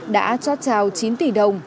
đã cho trào chín tỷ đồng